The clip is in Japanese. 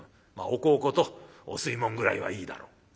おこうことお吸い物ぐらいはいいだろう。